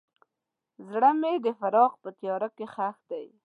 زړه مې د فراق په تیاره کې ښخ دی.